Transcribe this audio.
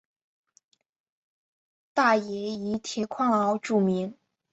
大冶以铁矿而著名。